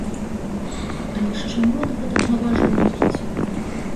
Але ж чаму ён гэтак наважыў рабіць?